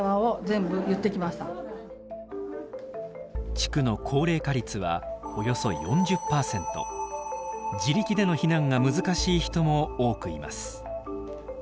地区の高齢化率は自力での避難が難しい人も多くいます。